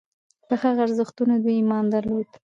په هغه ارزښتونو دوی ایمان درلود.